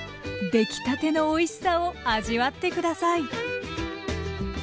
出来たてのおいしさを味わって下さい。